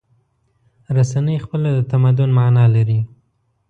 رسنۍ خپله د تمدن معنی لري.